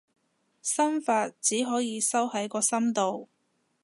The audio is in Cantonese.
心法，只可以收喺個心度